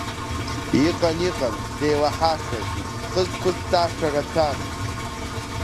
Иҟан, иҟан сзеилаҳашаз, схы зқәысҵаша рацәан.